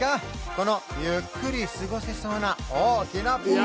このゆっくり過ごせそうな大きなプール！